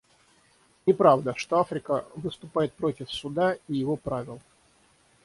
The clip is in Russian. Неправда, что Африка выступает против Суда и его правил.